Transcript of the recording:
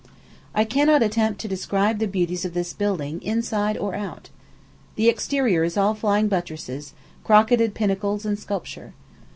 I cannot attempt to describe the beauties of this building, inside or out. The exterior is all flying buttresses, crocketed pinnacles, and sculpture.